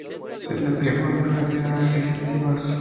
Se le atribuían propiedades digestivas.